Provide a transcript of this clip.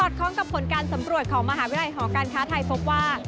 คล้องกับผลการสำรวจของมหาวิทยาลัยหอการค้าไทยพบว่า